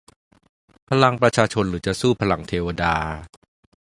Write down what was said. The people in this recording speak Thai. พลังประชาชนหรือจะสู้พลังเทวดา